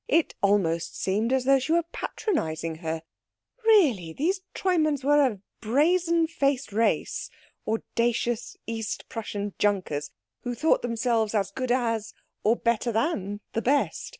It almost seemed as though she were patronising her. Really these Treumanns were a brazen faced race; audacious East Prussian Junkers, who thought themselves as good as or better than the best.